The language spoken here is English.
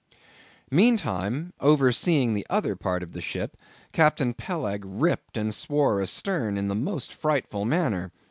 Meantime, overseeing the other part of the ship, Captain Peleg ripped and swore astern in the most frightful manner.